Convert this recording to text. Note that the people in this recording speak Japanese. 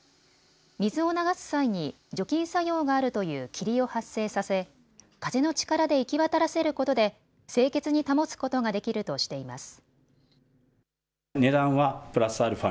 水を流す際に除菌作用があるという霧を発生させ風の力で行き渡らせることで清潔に保つことができるとしています。